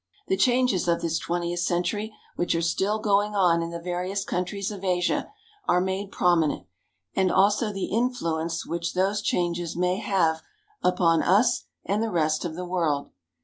The changes of this twentieth century which are still going on in the various countries of Asia are made promi nent, and also the influence which those changes may have upon us and the rest of the world.